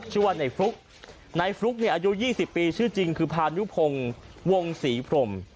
ชื่อว่าในฟลุ๊กในฟลุ๊กเนี่ยอายุ๒๐ปีชื่อจริงคือพานุพงศ์วงศรีพรม